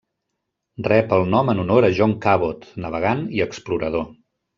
Rep el nom en honor a John Cabot, navegant i explorador.